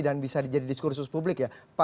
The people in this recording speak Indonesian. dan bisa jadi diskursus publik ya